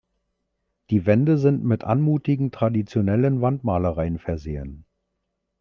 Die Wände sind mit anmutigen traditionellen Wandmalereien versehen.